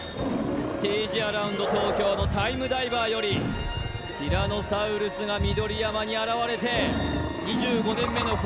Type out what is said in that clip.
ステージアラウンド東京の「ＴＩＭＥＤＩＶＥＲ」よりティラノサウルスが緑山に現れて２５年目の冬